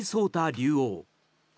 竜王。